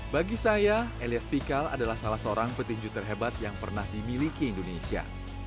bagi saya elias pikal adalah salah seorang petinju terhebat yang pernah dimiliki indonesia